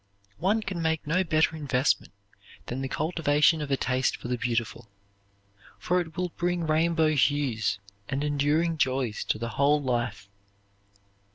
One can make no better investment than the cultivation of a taste for the beautiful, for it will bring rainbow hues and enduring joys to the whole life.